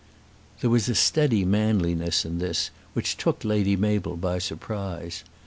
There was a steady manliness in this which took Lady Mabel by surprise.